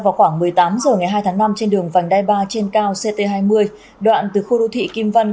vào khoảng một mươi tám h ngày hai tháng năm trên đường vành đai ba trên cao ct hai mươi đoạn từ khu đô thị kim văn